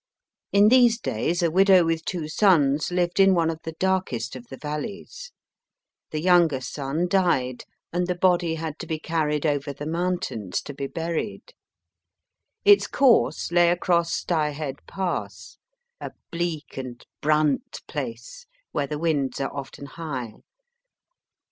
In these days, a widow with two sons lived in one of the darkest of the HALL CA1NE 59 valleys. The younger son died, and the body had to be carried over the mountains to be buried. Its course lay across Sty Head Pass, a bleak and * brant place, where the winds are often high.